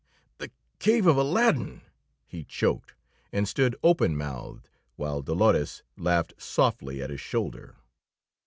"The Cave of Aladdin!" he choked, and stood open mouthed while Dolores laughed softly at his shoulder.